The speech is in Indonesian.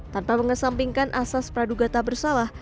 tanpa mengesampingkan asas pradugata bersalah